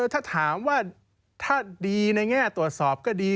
ถ้าถามว่าถ้าดีในแง่ตรวจสอบก็ดี